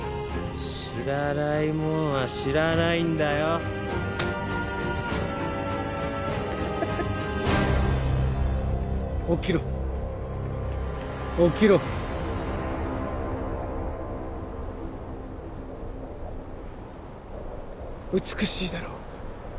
知らないもんは知らないんだよ起きろ起きろ美しいだろう